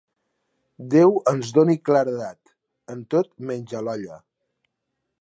Déu ens doni claredat, en tot menys a l'olla.